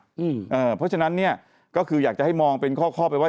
เพราะฉะนั้นเนี่ยก็คืออยากจะให้มองเป็นข้อไปว่า